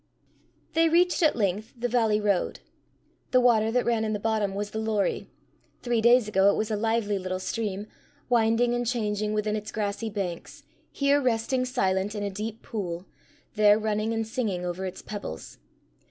They reached at length the valley road. The water that ran in the bottom was the Lorrie. Three days ago it was a lively little stream, winding and changing within its grassy banks here resting silent in a deep pool, there running and singing over its pebbles.